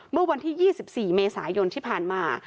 เมื่อวันที่๒๔เมษายนที่ผ่านมา